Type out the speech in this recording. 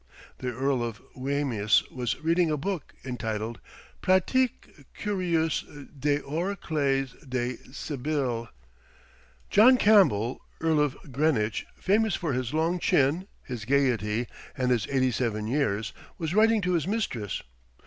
The Earl of Wemyss was reading a book, entitled "Pratique Curieuse des Oracles des Sybilles." John Campbell, Earl of Greenwich, famous for his long chin, his gaiety, and his eighty seven years, was writing to his mistress.